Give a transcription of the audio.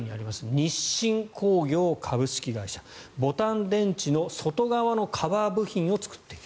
日伸工業株式会社ボタン電池の外側のカバー部品を作っている。